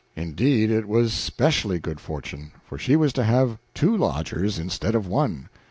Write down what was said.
Indeed, it was specially good fortune, for she was to have two lodgers instead of one.